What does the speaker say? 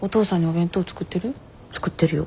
作ってるよ。